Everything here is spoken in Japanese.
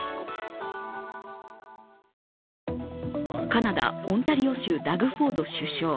カナダ・オンタリオ州、ダグ・フォード首相。